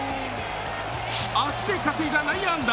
足で稼いだ内野安打。